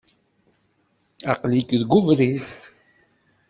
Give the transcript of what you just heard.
Aql-ik deg webrid.